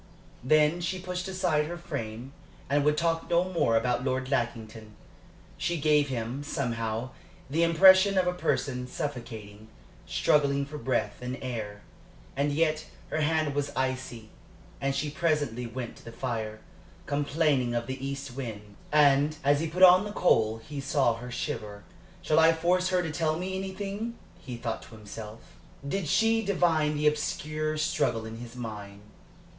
Then she pushed aside her frame and would talk no more about Lord Lackington. She gave him, somehow, the impression of a person suffocating, struggling for breath and air. And yet her hand was icy, and she presently went to the fire, complaining of the east wind; and as he put on the coal he saw her shiver. "Shall I force her to tell me everything?" he thought to himself. Did she divine the obscure struggle in his mind?